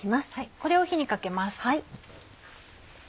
これを火にかけます。